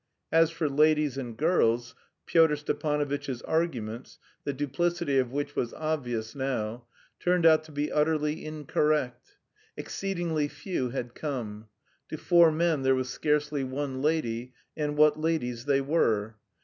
As for ladies and girls, Pyotr Stepanovitch's arguments (the duplicity of which was obvious now) turned out to be utterly incorrect: exceedingly few had come; to four men there was scarcely one lady and what ladies they were!